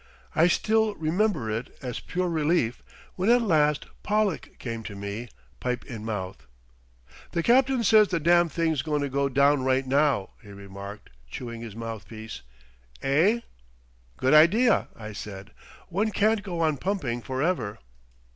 I still remember it as pure relief when at last Pollack came to me pipe in mouth. "The captain says the damned thing's going down right now;" he remarked, chewing his mouthpiece. "Eh?" "Good idea!" I said. "One can't go on pumping for ever."